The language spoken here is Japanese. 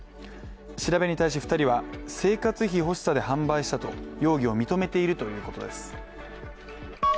調べに対し２人は、生活費ほしさで販売したと容疑を認めているということです。